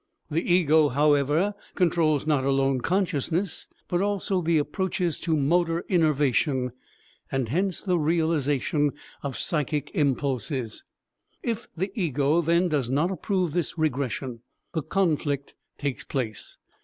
The ego, however, controls not alone consciousness, but also the approaches to motor innervation, and hence the realization of psychic impulses. If the ego then does not approve this regression, the conflict takes place.